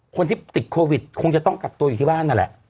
คนที่ติดโควิดคงจะต้องกักตัวอยู่ที่บ้านนั่นแหละ